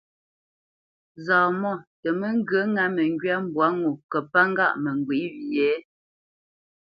Zaamɔ̂ tə mə́ ŋgyə̌ ŋá məŋgywá mbwǎ ŋo kə́ pə́ŋgâʼ mə ŋgywě ghyê ?